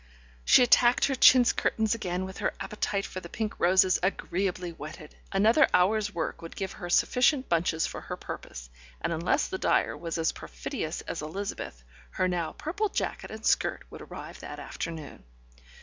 ... She attacked her chintz curtains again with her appetite for the pink roses agreeably whetted. Another hour's work would give her sufficient bunches for her purpose, and unless the dyer was as perfidious as Elizabeth, her now purple jacket and skirt would arrive that afternoon.